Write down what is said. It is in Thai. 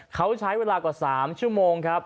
เขาใช้เวลากว่า๓ชั่วโมงครับ